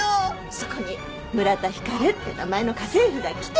そこに村田光って名前の家政夫が来て。